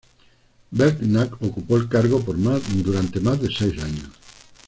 Belknap ocupó el cargo por más de seis años.